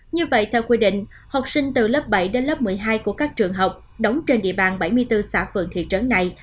như vậy theo quy định học sinh từ lớp bảy đến lớp một mươi hai của các trường học đóng trên địa bàn bảy mươi bốn xã phượng thị trấn này